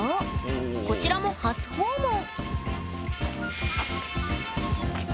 こちらも初訪問！